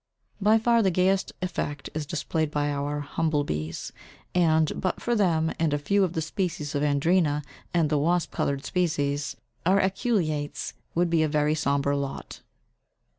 By far the gayest effect is displayed by our humble bees, and, but for them and a few of the species of Andrena and the wasp coloured species, our aculeates would be a very sombre lot.